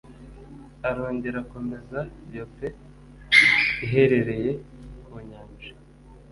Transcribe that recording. arongera akomeza yope iherereye ku nyanja